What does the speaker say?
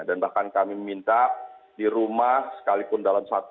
dan bahkan kami minta di rumah sekalipun dalam sebuah rumah